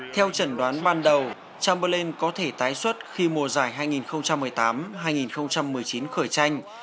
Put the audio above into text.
theo trần đoán ban đầu tramberland có thể tái xuất khi mùa giải hai nghìn một mươi tám hai nghìn một mươi chín khởi tranh